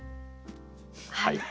はい。